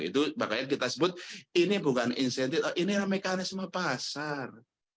itu makanya kita sebut ini bukan insentif inilah mekanisme pasar